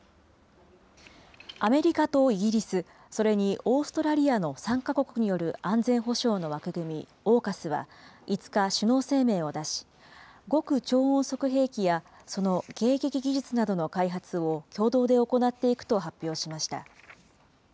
アメリカとイギリス、それにオーストラリアの３か国による安全保障の枠組み、ＡＵＫＵＳは５日、首脳声明を出し、極超音速兵器や、その迎撃技術などの開発を共同で行っていくと発表しました。